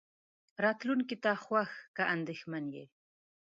راتلونکې ته خوښ که اندېښمن يې.